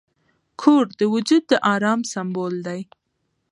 کور د وجود د آرام سمبول دی.